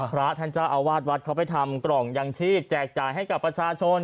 พระท่านเจ้าอาวาสวัดเขาไปทำกล่องยังชีพแจกจ่ายให้กับประชาชน